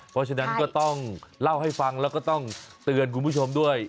เพราะฉะนั้นก็ต้องเล่าให้ฟังแล้วก็ต้องเตือนคุณผู้ชมด้วย